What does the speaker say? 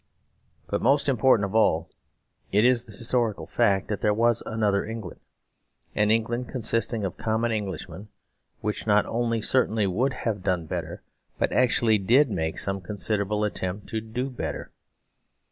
But, most important of all, it is the historical fact that there was another England, an England consisting of common Englishmen, which not only certainly would have done better, but actually did make some considerable attempt to do better.